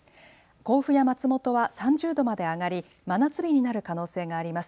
甲府や松本は３０度まで上がり真夏日になる可能性があります。